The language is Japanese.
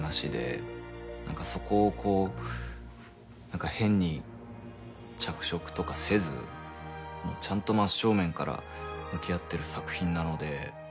何か変に着色とかせずちゃんと真っ正面から向き合ってる作品なので。